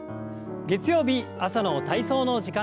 月曜日朝の体操の時間です。